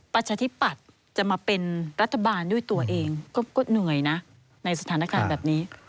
ประชาธิปัตย์จะมาเป็นรัฐบาลด้วยตัวเองก็เหนื่อยนะในสถานการณ์แบบนี้